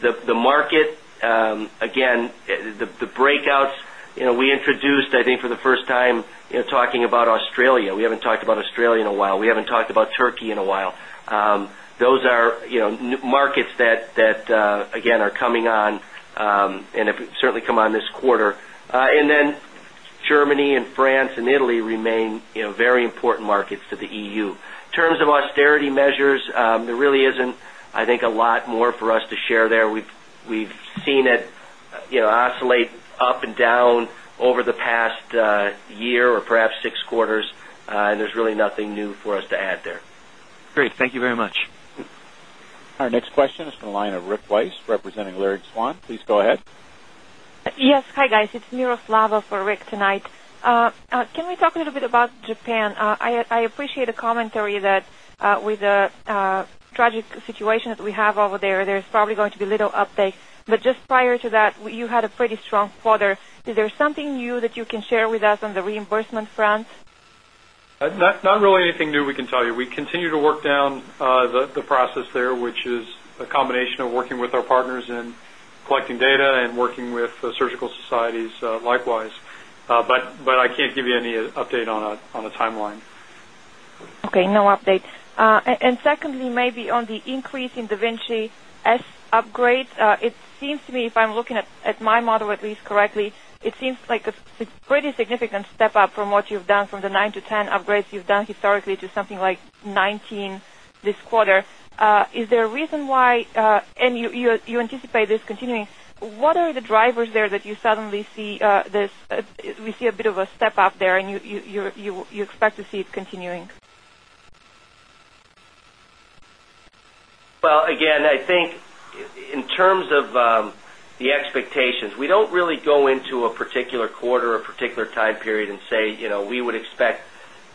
The the market, again, the breakouts, you know, we introduced I think for the first time talking about Australia. We haven't talked about Australia in a while. We haven't talked about Turkey in a while. Those are you know, markets that that again are coming on certainly come on this quarter. And then, Germany and France and Italy remain in very important markets to the EU. Of austerity measures, there really isn't I think a lot more for us to share there. We've seen it oscillate up and down over the past year or perhaps six quarters, and there's really nothing new for us to add there. Great. Our next question is from the line of Rick Weiss, representing Larry Swan. Please go ahead. Yes. Hi, guys. It's of lava for Rick tonight. Can we talk a little bit about Japan? I I appreciate a commentary that, with the, tragic situation that we have over there, there's probably going to be little uptake. But just prior to that, you had a pretty strong quarter. Is there some something new that you can share with us on the reimbursement front? Not really anything new we can tell you. We continue to work down the the process there, which is a combination of working with our partners in collecting data and working with, surgical societies, likewise. But but I give you any update on a timeline. And secondly, maybe on the increase intervention S upgrade, it seems to me, if I'm looking at my model at least correctly, it seems like it's pretty can step up from what you've done from the 9 to 10 upgrades you've done historically to something like 'nineteen this quarter. Is there reason why and you anticipate this continuing, what are the drivers there that you suddenly see this we see a bit of a step up and you expect to see it continuing? Well, again, and I think in terms of the expectations, we don't really go into a particular quarter or time period and say, you know, we would expect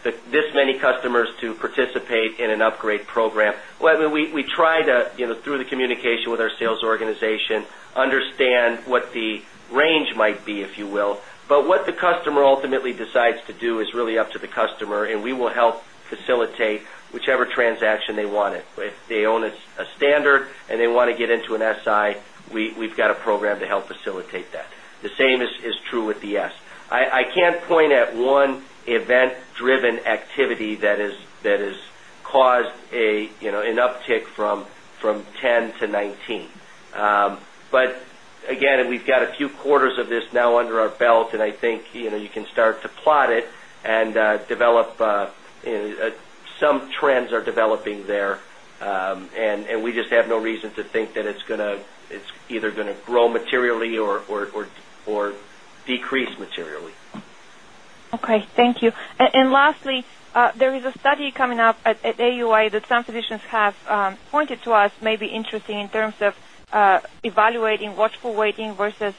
this many customers to participate in an upgrade program, whether we to, you know, through the communication with our sales organization, understand what the range might be, if you will, but what customer ultimately decides to do is really up to the customer and we will help facilitate whichever transaction they wanted. They own a standard and they want to get into an SI, we've got a program to help facilitate that. The same is true with the S. I can't point at one event driven activity that has caused an uptick from 10 to 19. But again, got a few quarters of this now under our belt and I think, you know, you can start to plot it and develop some trends are developing there. And we just have no reason to think that it's going to it's either going to grow materially or decrease really. Okay. Thank you. And lastly, there is a study coming up at AUI that some physicians have pointed to us maybe in seeing in terms of, evaluating watchful waiting versus,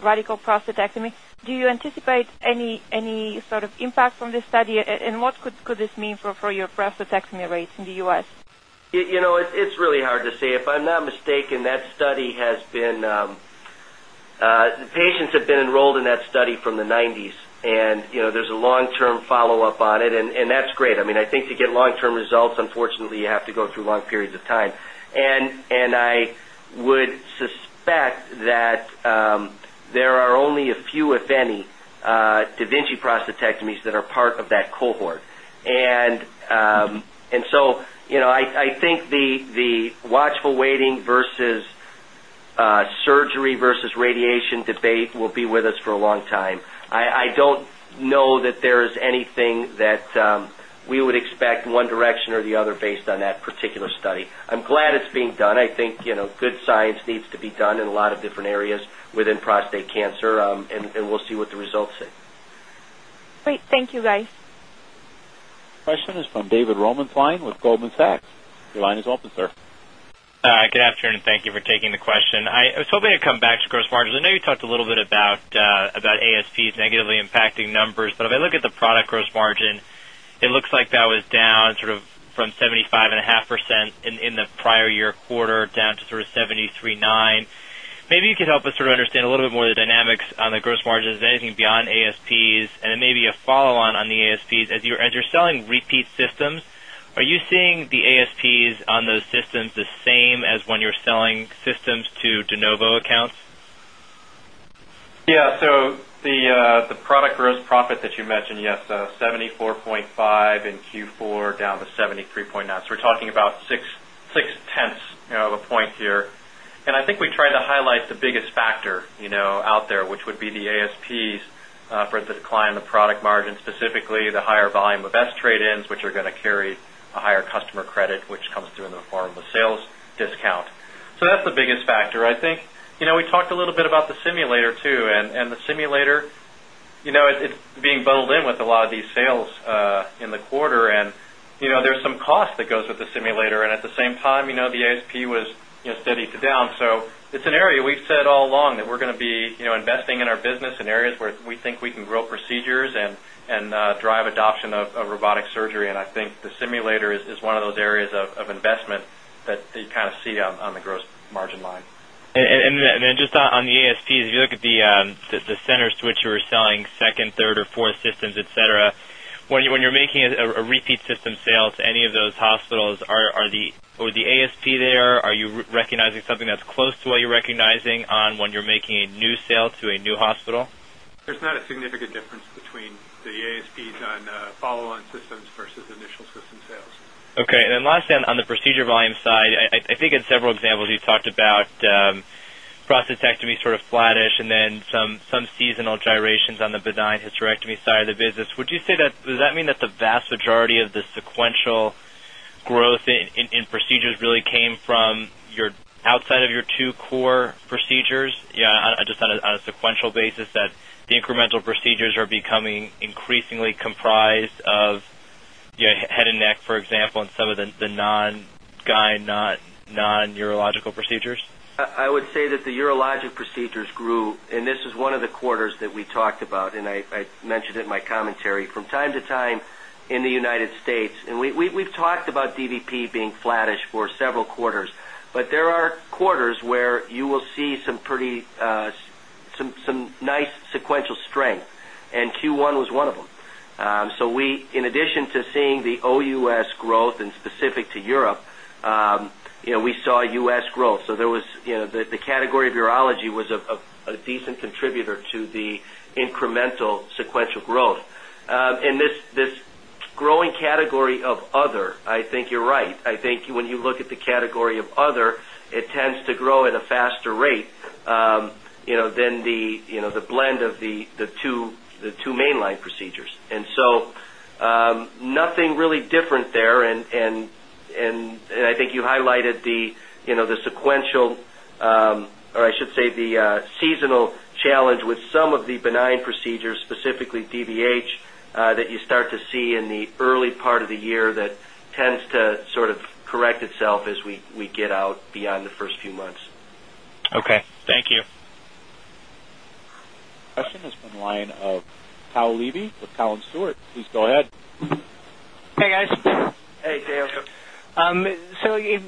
radical prostatectomy. Do you anticipate any any sort of impact from this study and what could this mean for your Afrezza tax rate in the U. S? You know, it's really hard to say if not mistaken. That study has been, the patients have been enrolled in that study from the 90s and, you know, there's a long term follow-up on it and that's great. I mean, I think you get long term results. Unfortunately, you have to go through long periods of time and I would expect that there are only a few, if any, da Vinci prosthetics that are part of that And, and so, you know, I think the watchful waiting versus surgery versus radiation debate will be with us for a long time. I don't know that there is anything that we would expect one direction or the other based on that particular study. I'm glad it's being done. I think good science needs to be done in a lot of different areas within prostate cancer, and and we'll see what the results say. Great. Thank you guys. Question is from the Romans line with Goldman Sachs. Your line is open, sir. Good afternoon. Thank you for taking the question. I was hoping to come back to gross margins. I know you talked a little bit about fees negatively impacting numbers. But if I look at the product gross margin, it looks like that was down sort of from 75.5% in in the prior year quarter down to sort of $7.39. Maybe you could help us sort of understand a little bit more of the dynamics on the gross margin. Is there anything beyond ASPs, and then maybe a follow on on the ASPs. As you're as you're selling repeat systems, are you seeing the ASPs on those systems the same as when you're selling systems to de novo accounts? Yeah. So the, the product gross profit that you mentioned, yes, 4.5 in q4 down to 73.9. So we're talking about 66ths, you know, the point here. And I think we tried to highlight the biggest after, you know, out there, which would be the ASPs, for the decline in the product margin, specifically the higher volume of best trade ins, which are gonna carry a higher customer credit comes through in the form of a sales discount. So that's the biggest factor. I think, you know, we talked a little bit about the simulator too and the simulator, you know, it it's being bowled in with a lot of these sales, in the quarter and, you know, there's some cost that goes with the simulator in same time, you know, the ASP was, you know, steady to down. So it's an area we've said all along that we're going to be investing in our business in areas where we think we can grow procedures and and, drive adoption of of robotic surgery. And I think the simulator is is one of those areas of of investment that the kind of see on on the gross margin line. And then just on the ASPs, if you look at the the center switch you were selling 2nd, 3rd, or 4th systems, etcetera. When you're making a repeat system sales to any of those hospitals, are the ASP there, are you recognizing something that's close to what you're recognizing on when you're making a new sale to a new hospital? Not a significant difference between the ASPs on, follow on systems versus initial system sales. Okay. And then lastly, on on the procedure volume side, I I think it's example, you talked about, prostatectomy sort of flattish and then some seasonal gyrations on the benign hysterectomy side of the business. Would you say that does that mean that the vast majority of the sequential growth in procedures really came from your outside of your 2 core procedures, I just had a a potential basis that the incremental procedures are becoming increasingly comprised of, you know, head and neck, for example, in some of the the non guy, not non neurological procedures? I would say that the urologic procedures grew, and this is one of the quarters that we talked about. And I I mentioned in my commentary from time to time in the United States and we've talked about DBP being flattish for several quarters, but there are quarters where you will see U. S. Growth and specific to Europe, you know, we saw U. S. Growth. So there was the category of was a decent contributor to the incremental sequential growth. And this growing cash category of other. I think you're right. I think when you look at the category of other, it tends to grow at a faster rate. You know, than the blend of the 2 main line procedures. And so, nothing really different there and I think you lighted the sequential, or I should say the seasonal challenge with some of the benign procedures specifically DVH that you still to see in the early part of the year that tends to sort of correct itself as we get out beyond the 1st few months. Okay. Thank you. Question is from the line of Kyle Levy with Colin Stewart. Please go ahead. Guys. Hey, Dale. So,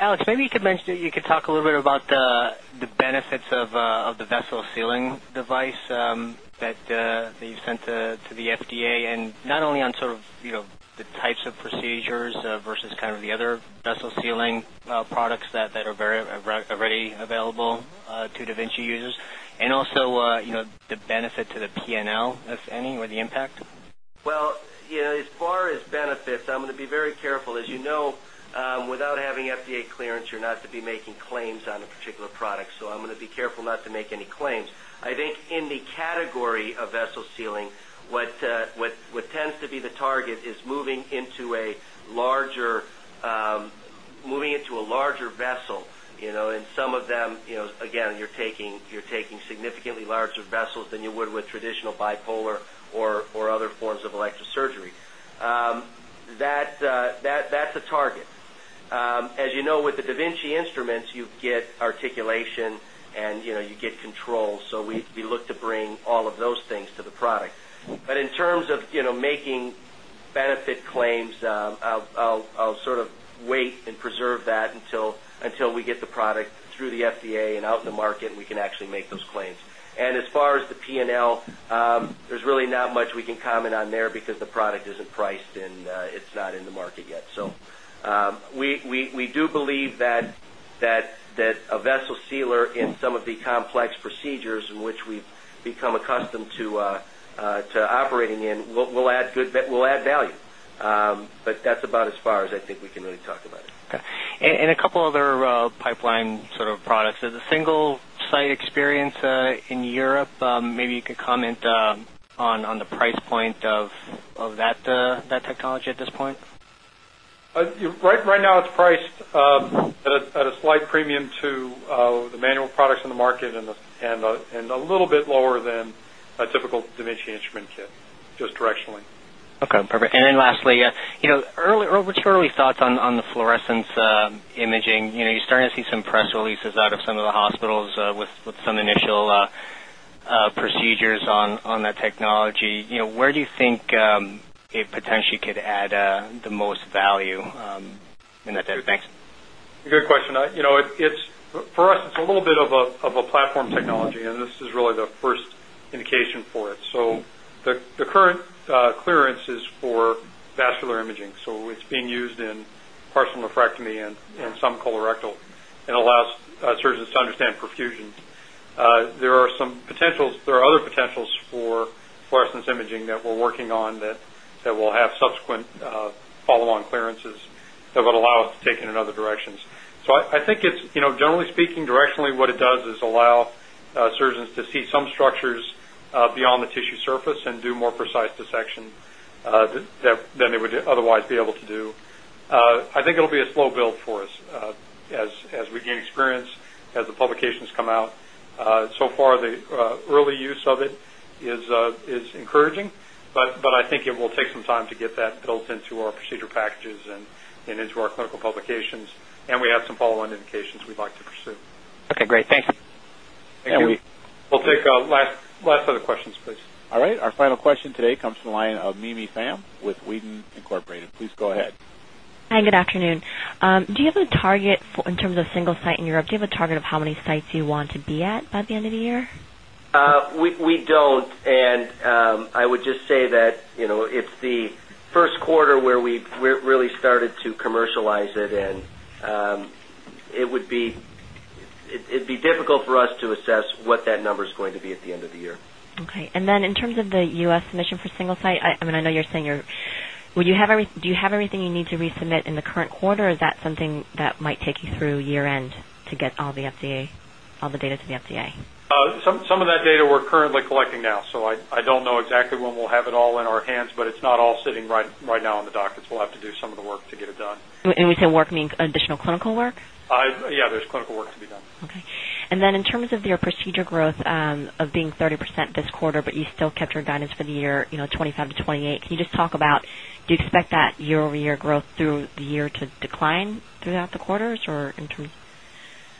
Alex, maybe you could mention that you could talk a little bit about the the benefits of, of the vessel sealing device, that, that you sent to to the FDA. And not only on sort of, you know, the types of procedures versus kind of the other vessel ceiling products that are very already available to DaVinci users. And also, the benefit to the P and L, if any, or the impact? Well, you know, as far as benefits, I'm going to be very careful. As you without having FDA clearance or not to be making claims on a particular product. So I'm gonna be careful not to make any claims. I think in the category of vessel sealing, what, what what tends to be the target is moving into a larger, moving into a larger vessel, you know, and some of them, you know, again, you're taking you're taking significant larger vessels than you would with traditional bipolar or or other forms of elective surgery, that, that, that, that's a target. You know, with the da Vinci instruments, you get articulation and, you know, you get control. So we look to bring all of those things to the But in terms of, you know, making benefit claims, I'll I'll I'll sort of wait and preserve that until we get the product through the FDA and out in the market, we can actually make those claims. And as far as the P and L, there's really not much we can comment on there because the product isn't priced and it's not in the market yet. So we do believe that a vessel sealer in some of the complex procedures which we've become accustomed to, to operating in, we'll add good we'll add value. But that's about as far as I think we can really talk about it. Okay. And a couple other, pipeline sort of products. There's a single site experience in Europe. Maybe you could comment on the price point of that, the, that technology at this point? Right now, it's priced at a slight premium to the manual products in the market and a little bit lower than a typical dementia instrument kit. Directionally. Okay, perfect. And then lastly, you know, early, early, early thoughts on the fluorescence imaging. You know, you're starting to see some press release of some of the hospitals with some initial procedures on that technology. Where do you think potentially could add, the most value, in that data? Thanks. Good question. You know, it's for us, it's a little bit of a platform technology, and this is really the first indication for it. So the current, clearance is for vascular imaging. So it's being used in partial nephrectomy and and some colorectal and allows surgeons to understand perfusion. There are some there are other potentials for fluorescence imaging that we're working on that that will have subsequent, follow on clear prices that would allow us to take it in other directions. So I think it's, you know, generally speaking directionally, what it does is allow surgeons to see some structures, beyond the tissue surface and do more precise dissection, than they would otherwise be able to do. I think will be a slow build for us, as as we gain experience as the publications come out. So far, the, early use of it is, is encouraging, but but I think it will take some time to get that built into our procedure packages and and into our clinical publications. And we have some follow indications we'd like to pursue. Okay, great. Thanks. Thank you. We'll take last, last set of questions, please. All right. Our final question today comes line of Mimi Pham with Wheaton Incorporated. Please go ahead. Hi, good afternoon. Do you have a target in terms of single site do you have a target of how many sites you want to be at by the end of the year? We don't. And, I would just say that, you know, it's the 1st quarter where we really started to commercialize it in. It would be it'd be difficult for to assess what that number is going to be at the end of the year. Okay. And then in terms of the U. S. Submission for single site, I mean, I know you're saying Would you have every do you have everything you need to resubmit in the current quarter, or is that something that might take you through year end to get all the FDA all the day with the FDA? Some of that data we're currently collecting now. So I don't know exactly when we'll have it all in our hands, but it's not all sitting right now on the doctors, we'll have to do some of the work to get it done. And we say work means additional clinical work? I yeah. There's clinical work to be done. Okay. And then in terms of your procedure of being 30% this quarter, but you still kept your guidance for the year, 25% to 28%. Can you just talk about, do you expect that year over year growth through the year to decline throughout the quarters or in terms?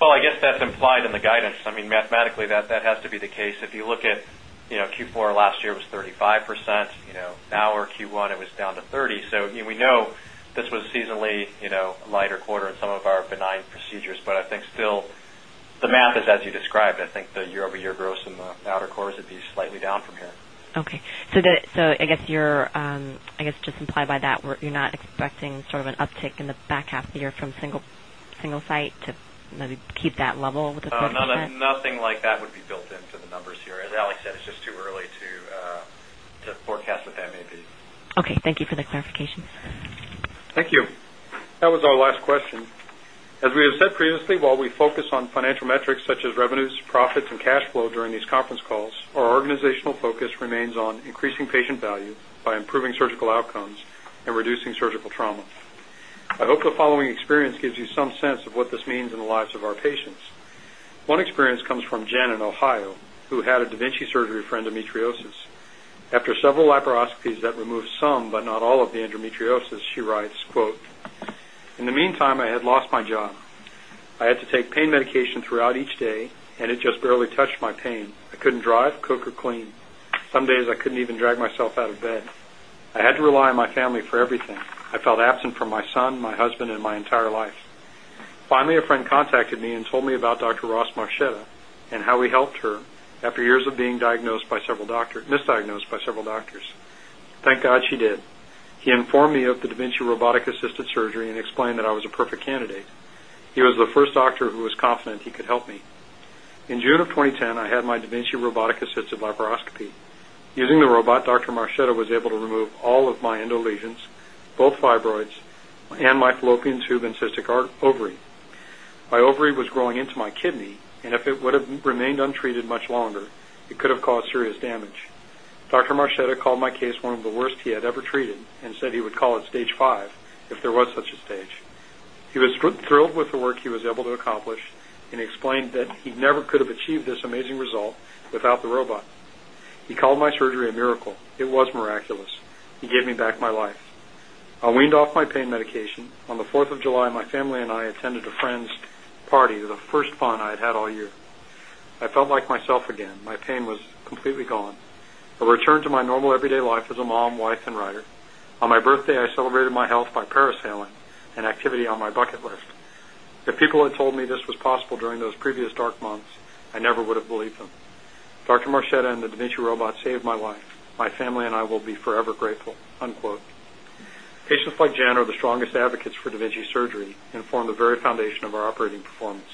Well, I guess that's implied in the guidance. I mean, mathematically, that that has to be the case. If you look at, you know, acute last year was 35%. Now our Q1, it was down to 30%. So we know this was seasonally lighter quarter in some of our benign procedures, but I still the math is, as you described, I think the year over year gross in the outer cores would be slightly down from here. Okay. So the so I guess you're, I guess just implied by that where you're not expecting sort of an uptick in the back half of the year from single single site to, you know, to keep that level with the forecast? Nothing like that would be built into the numbers here. As Alex said, it's just too early to, to forecast if that may be. Okay. Thank you for the clarification. Thank you. That was our last question. Focus remains on increasing patient value by improving surgical outcomes and reducing surgical trauma. I hope the following experience gives you some sense what this means in the lives of our patients. One experience comes from Jen in Ohio, who had a da Vinci surgery friend, Demetriosis. After leaparoscopies that remove some, but not all of the endometriosis she writes, quote. In the meantime, I had lost my job. I had to take medication throughout each day and it just barely touched my pain. I couldn't drive, cook, or clean. Some days I couldn't even drag myself a bed. I had to rely on my family for everything. I felt absent from my son, my husband, and my entire life. Finally, a friend contact me and told me about Doctor Ross Marchetta and how he helped her after years of being diagnosed by several doctor misdiagnosed by several doctors. The God, she did. He informed me of the dementia robotic assisted surgery and explained that I was a perfect candidate. He was the first doctor who was confident he could help me. In June of 2010, I had my da Vinci robotic assist at laparoscopy. Using the robot, Doctor. Marchetto was able to remove all of my fibroids and my fallopian tube and cystic heart ovary. My ovary was growing into my kidney. And if it would have remained untreated much longer, it could have cause serious damage. Doctor Marchetta called my case one of the worst he had ever treated and said he would call it stage 5 if there was such a stage. He was thrilled with the work he was able to accomplish and explained that he never could have achieved this amazing result without the robot. He called my surgery a miracle, was miraculous and gave me back my life. I leaned off my pain medication. On 4th July, my family and I attended a end party, the first bond I'd had all year. I felt like myself again, my pain was completely gone. I returned to my everyday life as a mom, wife, and writer. On my birthday, I celebrated my health by Paris healing and activity on my bucket list. If people had told me this was possible during those previous dark months, I never would have believed him. Doctor Marchetta and the dementia robot saved my wife, my family, and I will be forever grateful. Unquote. K. Of FlightGen are the strongest advocates for da Vinci surgery and form the very foundation of our operating performance.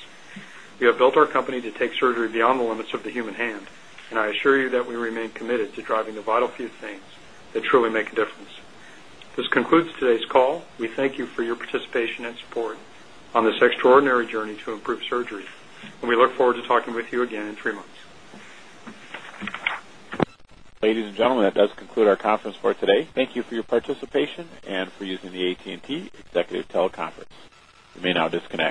We have built our company to take surgery beyond the limit the human hand, and I assure you that we remain committed to driving the vital few things that truly make a difference. This concludes today's call, we thank you for your participation and support on this extraordinary journey to improve surgery. And we look forward to talking with you again in 3 months. Ladies and gentlemen, that does conclude our conference for today. Thank you for your participation and for using the AT and T Executive Teleconference. You may now disconnect.